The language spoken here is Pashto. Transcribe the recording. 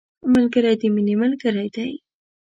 ملګری د مینې ملګری دی